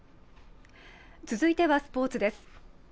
続いてはスポーツです。